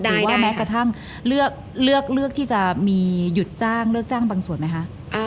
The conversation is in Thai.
แม้กระทั่งเลือกที่จะมีหยุดจ้างเลือกจ้างบางส่วนไหมคะ